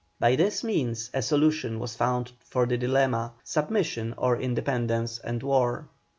By this means a solution was found for the dilemma submission, or independence and war.